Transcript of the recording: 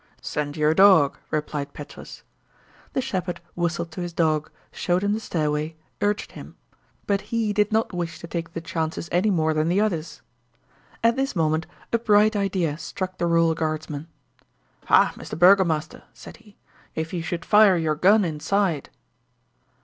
"Send your dog," replied Petrus. The shepherd whistled to his dog, showed him the stairway, urged him but he did not wish to take the chances any more than the others. At this moment, a bright idea struck the rural guardsman. "Ha! Mr. Burgomaster," said he, "if you should fire your gun inside."